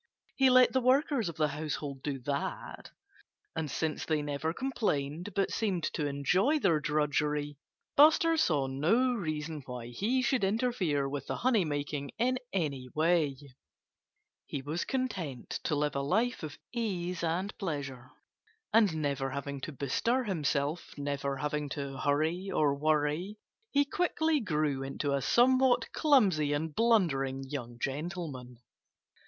He let the workers of the household do that. And since they never complained, but seemed to enjoy their drudgery, Buster saw no reason why he should interfere with the honey making in any way. He was content to live a life of ease and pleasure. And never having to bestir himself never having to hurry or worry he quickly grew into a somewhat clumsy and blundering young gentleman.